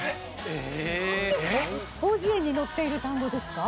『広辞苑』に載っている単語ですか？